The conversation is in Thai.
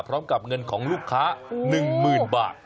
พร้อมกับเงินของลูกค้า๑๐๐๐บาท